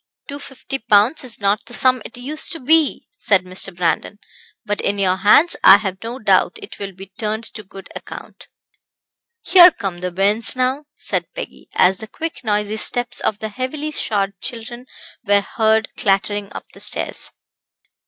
"250 pounds is not the sum it used to be," said Mr. Brandon; "but, in your hands, I have no doubt it will be turned to good account." "Here come the bairns now," said Peggy, as the quick, noisy steps of the heavily shod children were heard clattering up the stairs.